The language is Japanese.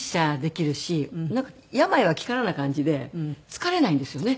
病は気からな感じで疲れないんですよね。